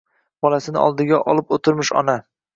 Bolasini oldiga olib o‘tirmish ona...